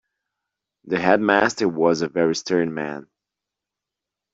The headmaster was a very stern man